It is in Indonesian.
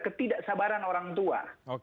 ketidaksabaran orang tua